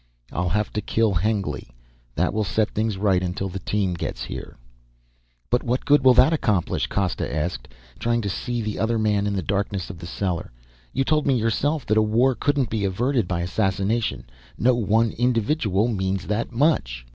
"I'll have to kill Hengly. That will set things right until the team gets here." "But what good will that accomplish?" Costa asked, trying to see the other man in the darkness of the cellar. "You told me yourself that a war couldn't be averted by assassination. No one individual means that much."